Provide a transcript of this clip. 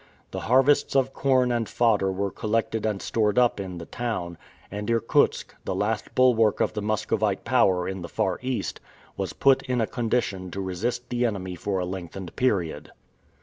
The harvests of corn and fodder were collected and stored up in the town, and Irkutsk, the last bulwark of the Muscovite power in the Far East, was put in a condition to resist the enemy for a lengthened period.